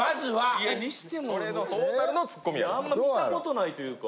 いやあんま見た事ないというか。